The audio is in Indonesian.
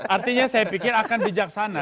artinya saya pikir akan bijaksana